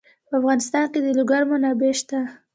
په افغانستان کې د لوگر منابع شته.